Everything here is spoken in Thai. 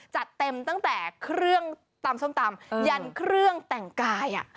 จัดเต็มตั้งแต่เครื่องตำส้มตำยันเครื่องแต่งกาย